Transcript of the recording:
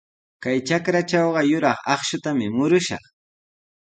Kay trakratrawqa yuraq akshutami murushaq.